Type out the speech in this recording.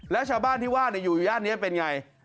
แล้วชาวบ้านที่ว่าอยู่อยู่ย่านนี้เป็นอย่างไร